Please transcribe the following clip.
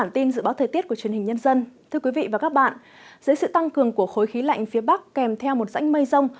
thưa quý vị và các bạn dưới sự tăng cường của khối khí lạnh phía bắc kèm theo một rãnh mây rông